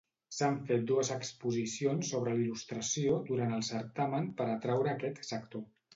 S'han fet dues exposicions sobre il·lustració durant el certamen per atraure aquest sector.